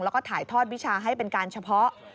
แล้วก็ถ่ายทอดวิชาให้เป็นการเฉพาะ